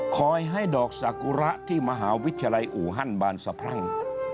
คอยให้ดอกสากุระที่มหาวิทยาลัยอู่ฮั่นบานสะพรั่ง